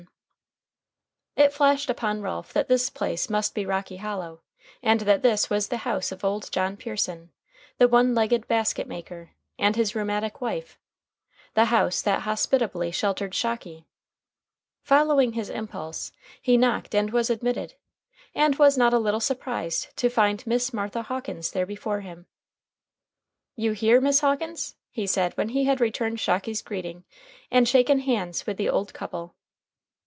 [Illustration: CAPTAIN PEARSON] It flashed upon Ralph that this place must be Rocky Hollow, and that this was the house of old John Pearson, the one legged basket maker, and his rheumatic wife the house that hospitably sheltered Shocky. Following his impulse, he knocked and was admitted, and was not a little surprised to find Miss Martha Hawkins there before him. "You here, Miss Hawkins?" he said when he had returned Shocky's greeting and shaken hands with the old couple.